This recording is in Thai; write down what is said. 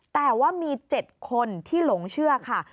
แต่ว่ามี๗คนที่หลงเชื่อค่ะ